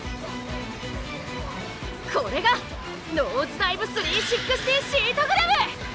これがノーズダイブ・３６０・シートグラブ！